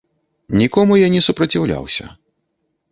Нікому я не супраціўляўся.